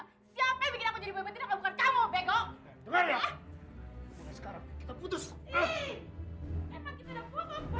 siapa yang bikin aku jadi boya betina